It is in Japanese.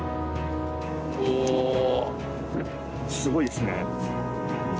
すごいですね。